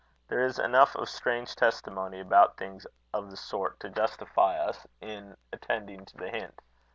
There is enough of strange testimony about things of the sort to justify us in attending to the hint.